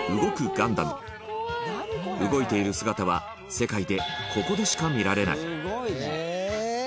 ガンダム動いている姿は世界で、ここでしか見られない田中：